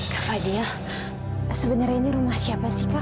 kak adia sebenarnya ini rumah siapa sih kak